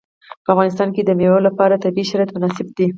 په افغانستان کې د مېوې لپاره طبیعي شرایط مناسب دي.